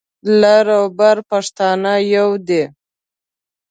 لر او بر پښتانه يو دي.